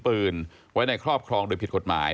ปืนไว้ในครอบครองโดยผิดกฎหมาย